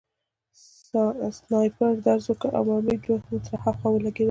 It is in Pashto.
سنایپر ډز وکړ او مرمۍ دوه متره هاخوا ولګېده